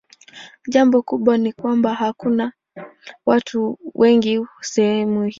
Jambo kubwa ni kwamba hakuna watu wengi sehemu hiyo.